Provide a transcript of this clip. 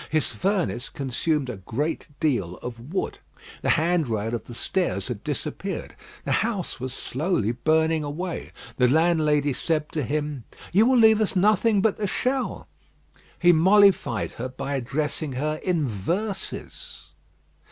His furnace consumed a good deal of wood. The hand rail of the stairs had disappeared. The house was slowly burning away. The landlady said to him, "You will leave us nothing but the shell." He mollified her by addressing her in verses.